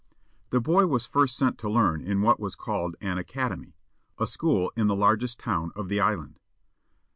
The boy was first sent to learn in what was called an "Academy," a school in the largest town of the island.